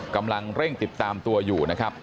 กำลังเร่งติดตามตัวอยู่นะครับ